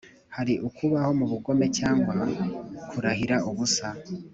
hari ukubaho mu bugome cyangwa kurahira ubusa.